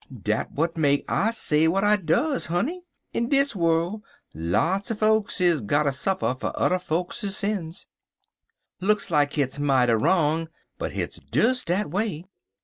"Dat w'at make I say w'at I duz, honey. In dis worl', lots er fokes is gotter suffer fer udder fokes sins. Look like hit's mighty wrong; but hit's des dat away.